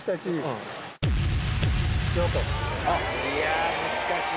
いや難しい。